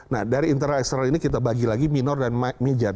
nah dari internal eksternal ini kita bagi lagi minor dan major